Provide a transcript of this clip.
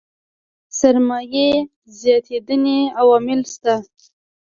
سرمايې زياتېدنې عوامل شته.